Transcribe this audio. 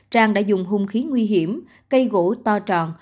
trang đã dùng hung khí nguy hiểm cây gỗ to tròn